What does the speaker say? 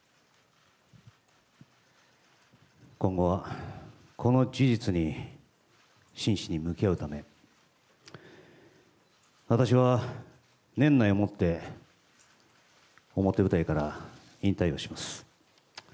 今後はこの事実に真摯に向き合うため、私は年内をもって表舞台から引退をします。